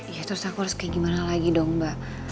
ya terus aku harus kayak gimana lagi dong mbak